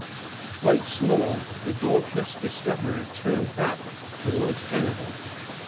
Once more the dauntless discoverer turned back towards Canada.